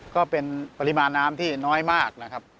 ก็เป็นปริมาณน้ำที่น้อยมาก